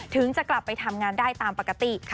จะกลับไปทำงานได้ตามปกติ